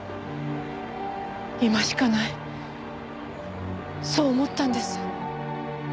今しかないそう思ったんです。